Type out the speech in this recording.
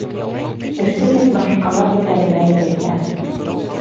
Кеше бит башҡалар иҫәбенә ирекле.